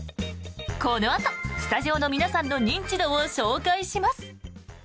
このあと、スタジオの皆さんの認知度を紹介します！